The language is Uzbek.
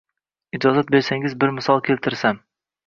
Ijozat bersangiz, bir misol keltirsam.